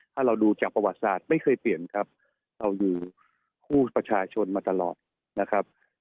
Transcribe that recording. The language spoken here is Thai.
ถ้าเราดูจากประวัติศาสตร์ไม่เคยเปลี่ยนครับเราอยู่คู่ประชาชนมาตลอดนะครับ